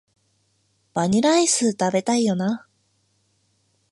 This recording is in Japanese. バニラアイス、食べたいよな